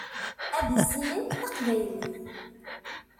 Ad issinent taqbaylit.